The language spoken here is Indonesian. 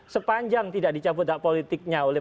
sepanjang tidak dicabutak politiknya oleh